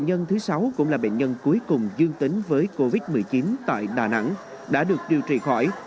nhân thứ sáu cũng là bệnh nhân cuối cùng dương tính với covid một mươi chín tại đà nẵng đã được điều trị khỏi